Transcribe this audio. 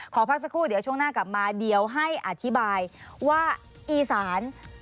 ขอพักสักครู่เดี๋ยวช่วงหน้ากลับมาเดี๋ยวให้อธิบายว่าอีสาน